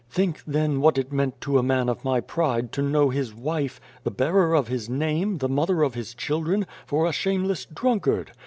Think, then, what it meant to a man of my pride to know his wife, the bearer of his name, the mother of his children, for a shameless drunkard